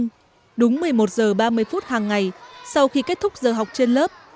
trường đúng một mươi một h ba mươi phút hàng ngày sau khi kết thúc giờ học trên lớp